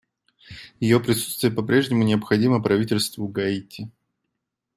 Ее присутствие по-прежнему необходимо правительству Гаити.